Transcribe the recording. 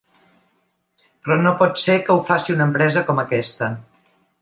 Però no pot ser que ho faci una empresa com aquesta.